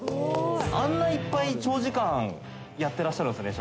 あんないっぱい長時間やってらっしゃるんですね